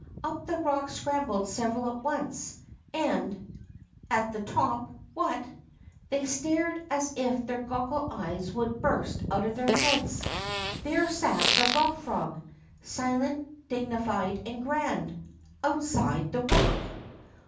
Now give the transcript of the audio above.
Up the rock scrambled several at once, and, at the top — what ! They stared as if their goggle^ eyes would burst out of their heads ! There sat the Rock Frog, silent, dignified, and grand, — outside the rock